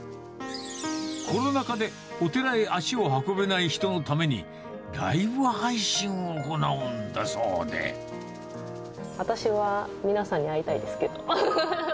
コロナ禍でお寺へ足を運べない人のために、私は皆さんに会いたいですけど。